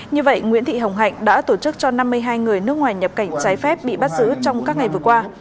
như vậy nguyễn thị hồng hạnh đã tổ chức cho năm mươi hai người nước ngoài nhập cảnh trái phép bị bắt giữ trong các ngày vừa qua